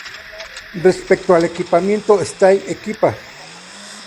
Respecto al equipamiento Style equipa.